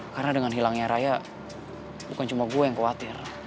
karena dengan hilangnya raya bukan cuma gue yang khawatir